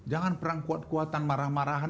jangan perang kuat kuatan marah marahan